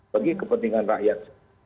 bagi kepentingan rakyat